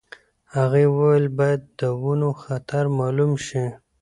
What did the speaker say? هغې وویل باید د ونو خطر مالوم شي.